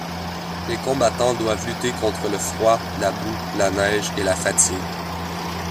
Les combattants doivent lutter contre le froid, la boue, la neige et la fatigue.